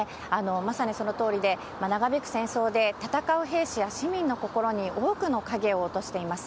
まさにそのとおりで、長引く戦争で戦う兵士や市民の心に多くの影を落としています。